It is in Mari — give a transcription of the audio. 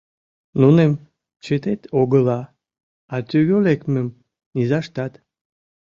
Нуным чытет огыла, а тӱгӧ лекмым — низаштат...